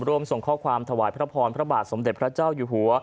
ร่วมส่งข้อความถวายพระพรพระบาทสมเด็จพระเจ้าอยู่หัว